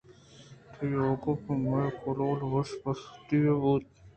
تئی آہگ پہ مئے کہولءَ وش بحتی ئے بوت